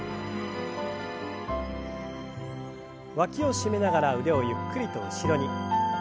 わきを締めながら腕をゆっくりと後ろに。